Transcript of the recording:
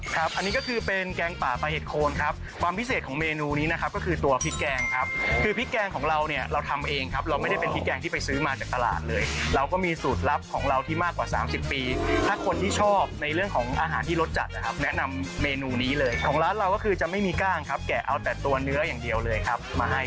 ครับอันนี้ก็คือเป็นแกงป่าปลาเห็ดโคนครับความพิเศษของเมนูนี้นะครับก็คือตัวพริกแกงครับคือพริกแกงของเราเนี่ยเราทำเองครับเราไม่ได้เป็นพริกแกงที่ไปซื้อมาจากตลาดเลยเราก็มีสูตรลับของเราที่มากกว่าสามสิบปีถ้าคนที่ชอบในเรื่องของอาหารที่รสจัดนะครับแนะนำเมนูนี้เลยของร้านเราก็คือจะไม่มีกล้างครับแกะเอาแต่ตัวเนื้ออย่างเดียวเลยครับมาให้